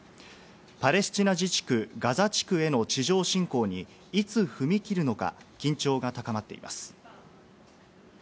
パレスチナ自治区ガザ地区への地上侵攻にいつ踏み切るのか、緊張が高まっています。